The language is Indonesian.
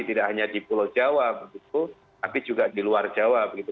tidak hanya di pulau jawa begitu tapi juga di luar jawa begitu